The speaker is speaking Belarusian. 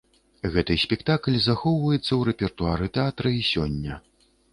Гэты спектакль захоўваецца ў рэпертуары тэатра і сёння.